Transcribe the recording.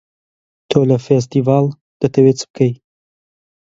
تۆ لە فێستیڤاڵ دەتەوێ چ بکەی؟